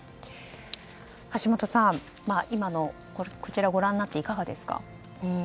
橋下さん、今のこちらをご覧になっていかがですか？